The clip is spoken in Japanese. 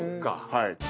はい。